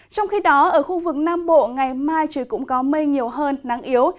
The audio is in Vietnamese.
trong khi đó ở khu vực nam bộ ngày mai trời cũng có mây nhiều hơn nắng yếu